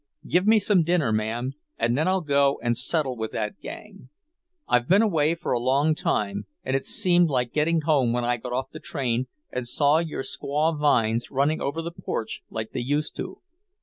"Give me some dinner, ma'am, and then I'll go and settle with that gang. I've been away for a long time, and it seemed like getting home when I got off the train and saw your squaw vines running over the porch like they used to."